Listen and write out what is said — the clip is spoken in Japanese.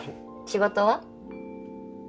仕事は？